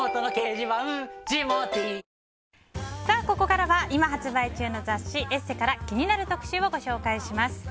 ここからは今発売中の雑誌「ＥＳＳＥ」から気になる特集をご紹介します。